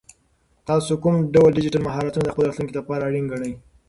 تاسو کوم ډول ډیجیټل مهارتونه د خپل راتلونکي لپاره اړین ګڼئ؟